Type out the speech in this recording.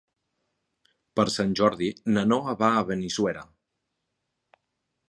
Per Sant Jordi na Noa va a Benissuera.